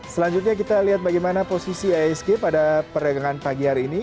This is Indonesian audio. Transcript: selanjutnya kita lihat bagaimana posisi isg pada perdagangan pagi hari ini